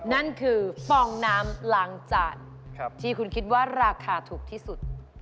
นั่นคือฟองน้ำล้างจานที่คุณคิดว่าราคาถูกที่สุด